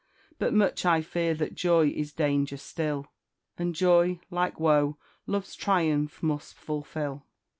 But much I fear that joy is danger still; And joy, like woe, love's triumph must fulfil."